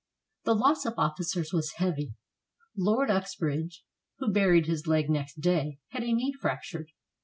The loss of officers was heavy. Lord Uxbridge, who buried his leg next day, had a knee fractured.